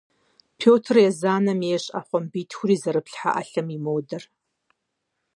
Петр Езанэм ейщ ӏэпхъуамбитхури зэрыплъхьэ ӏэлъэм и модэр.